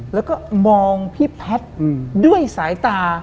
แล้วก็มองพี่แพทย์ด้วยสายตา